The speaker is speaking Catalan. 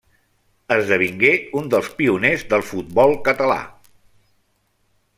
Esdevingué un dels pioners del futbol català.